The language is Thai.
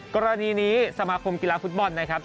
กรณีนี้สมาคมกีฬาฟุตบอลนะครับ